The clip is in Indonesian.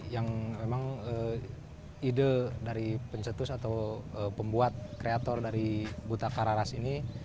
yang memang ide dari pencetus atau pembuat kreator dari buta kararas ini